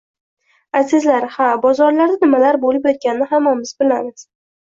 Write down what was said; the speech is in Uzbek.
–Azizlar! Ha, bozorlarda nimalar bo‘lib yotganini hammamiz bilamiz!